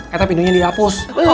kita pindahin dia hapus